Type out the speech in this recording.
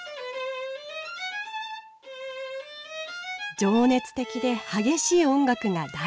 情熱的で激しい音楽が大好き。